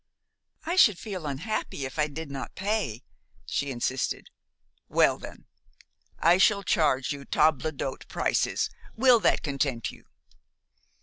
"I should feel unhappy if I did not pay," she insisted. "Well, then, I shall charge you table d'hôte prices. Will that content you?"